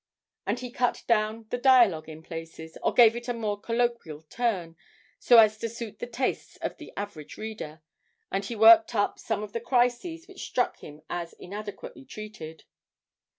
And he cut down the dialogue in places, or gave it a more colloquial turn, so as to suit the tastes of the average reader, and he worked up some of the crises which struck him as inadequately treated.